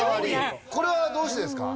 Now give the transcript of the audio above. これはどうしてですか？